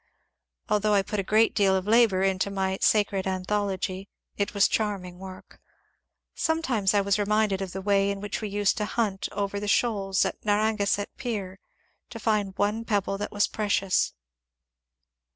Although I put a great deal of labour into my ^^ Sacred An thology," it was charming work. Sometimes I was reminded of the way in which we used to hunt over the shoals at Nar ragansett Pier to find one pebble that was precious.